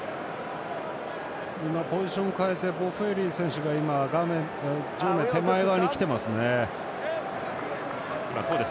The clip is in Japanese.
ポジションを変えてボッフェーリ選手が手前側にきていますね。